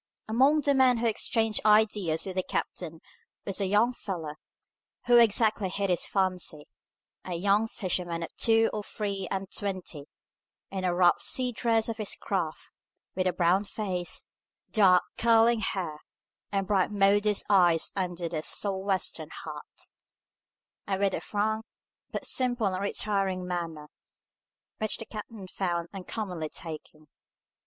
Among the men who exchanged ideas with the captain was a young fellow, who exactly hit his fancy, a young fisherman of two or three and twenty, in the rough sea dress of his craft, with a brown face, dark curling hair, and bright, modest eyes under his Sou'wester hat, and with a frank, but simple and retiring manner, which the captain found uncommonly taking.